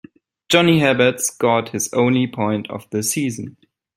Johnny Herbert scored his only point of the season.